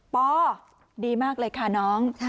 ดีมากเลยค่ะน้อง